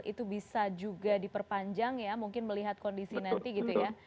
itu bisa juga diperpanjang ya mungkin melihat kondisi nanti gitu ya